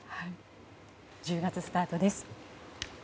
１０月スタートです。